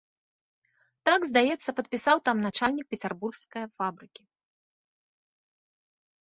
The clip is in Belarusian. Так, здаецца, падпісаў там начальнік пецярбургскае фабрыкі.